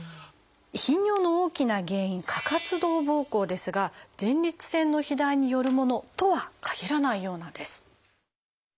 頻尿の大きな原因過活動ぼうこうですが前立腺の肥大によるものとはかぎらないようなんです。